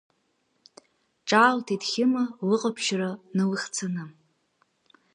Ҿаалҭит Хьыма лыҟаԥшьра налыхцаны.